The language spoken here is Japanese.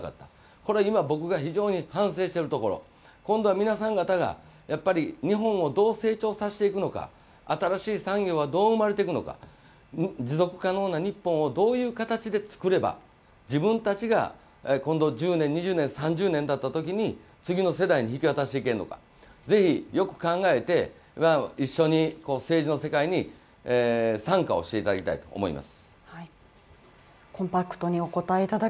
これ今、僕が非常に反省しているところ今度は皆さん方が日本をどう成長させていくのか新しい産業はどう生まれていくのか持続可能な日本をどういう形でつくれば自分たちが今度１０年、２０年、３０年たったときに次の世代に引き渡していけるのかぜひよく考えて一緒に政治の世界に参加していただきたいと思います。